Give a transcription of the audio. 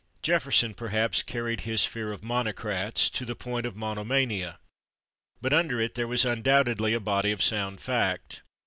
Jefferson, perhaps, carried his fear of "monocrats" to the point of monomania, but under it there was undoubtedly a body of sound fact.